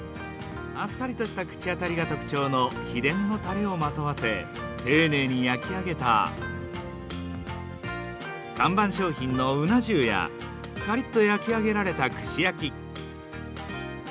あっさりとした口当たりが特徴の秘伝のたれをまとわせ、丁寧に焼き上げた看板商品のうな重や、かりっと焼き上げられた串焼き。